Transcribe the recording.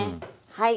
はい。